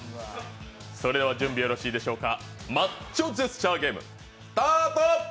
それでは準備よろしいでしょうか。